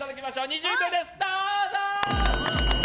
２０秒です、どうぞ。